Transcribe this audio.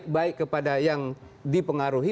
baik kepada yang dipengaruhi